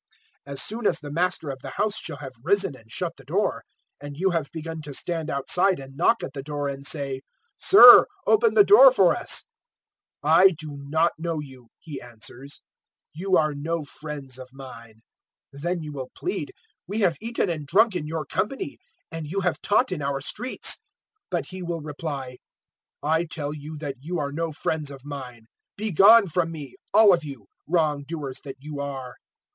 013:025 As soon as the Master of the house shall have risen and shut the door, and you have begun to stand outside and knock at the door and say, "`Sir, open the door for us' "`I do not know you,' He answers; `you are no friends of mine.' 013:026 "Then you will plead, "`We have eaten and drunk in your company and you have taught in our streets.' 013:027 "But He will reply, "`I tell you that you are no friends of mine. Begone from me, all of you, wrongdoers that you are.'